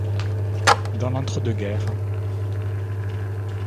Dans l'entre-deux-guerres.